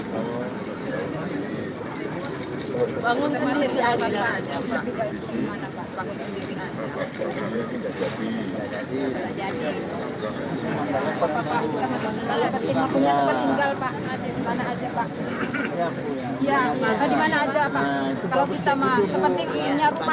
kalau kita mau seperti ini punya rumah nggak